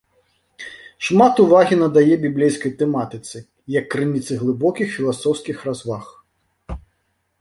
Шмат увагі надае біблейскай тэматыцы, як крыніцы глыбокіх філасофскіх разваг.